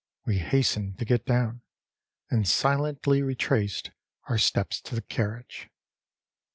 We hastened to get down, and silently retraced our steps to the carriage.